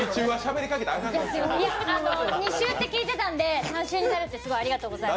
２週って聞いてたんで３週になるってありがとうございます。